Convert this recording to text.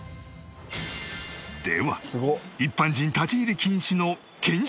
では一般人立ち入り禁止の検修工場に！